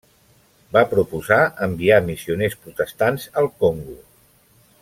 Va proposar enviar missioners protestants al Congo.